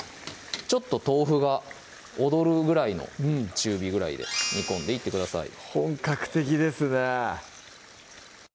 ちょっと豆腐が踊るぐらいの中火ぐらいで煮込んでいってください